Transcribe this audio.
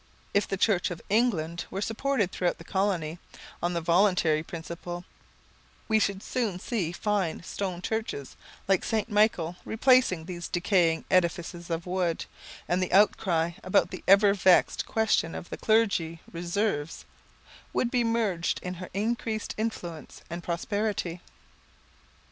If the Church of England were supported throughout the colony, on the voluntary principle, we should soon see fine stone churches, like St. Michael, replacing these decaying edifices of wood, and the outcry about the ever vexed question of the Clergy Reserves, would be merged in her increased influence and prosperity.